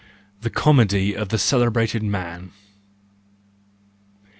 The Comedy of Celebrated Men